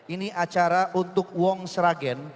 ini acara untuk wong sragen